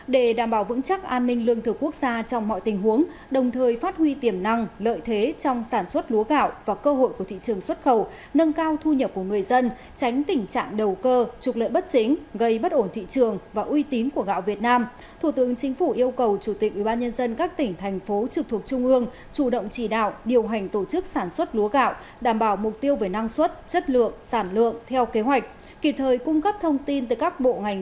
để đảm bảo vững chắc an ninh lương thực quốc gia trong mọi tình huống đồng thời phát huy tiềm năng lợi thế trong sản xuất lúa gạo và cơ hội của thị trường xuất khẩu nâng cao thu nhập của người dân tránh tình trạng đầu cơ trục lợi bất chính gây bất ổn thị trường và uy tím của gạo việt nam thủ tướng chính phủ yêu cầu chủ tịch ubnd các tỉnh thành phố trực thuộc trung ương chủ động chỉ đạo điều hành tổ chức sản xuất lúa gạo đảm bảo mục tiêu về năng suất chất lượng sản lượng theo kế hoạch kịp thời cung cấp th